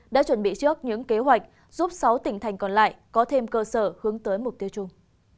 đã chuẩn bị trước những kế hoạch giúp sáu tỉnh thành còn lại có thêm cơ sở hướng tới mục tiêu chung